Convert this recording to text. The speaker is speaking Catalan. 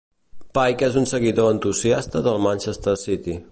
Pike és un seguidor entusiasta del Manchester City.